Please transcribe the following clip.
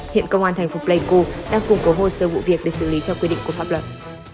hiện công an thành phố pleiku đang củng cố hồ sơ vụ việc để xử lý theo quy định của pháp luật